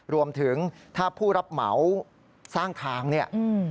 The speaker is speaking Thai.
รวมถึงถ้าผู้รับเหมาสร้างทางเนี่ย